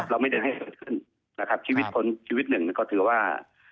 เราไม่ได้ให้เกิดขึ้นชีวิตคนชีวิตหนึ่งก็ถือว่า